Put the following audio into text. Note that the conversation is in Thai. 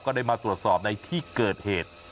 ได้มาตรวจสอบในที่เกิดเหตุ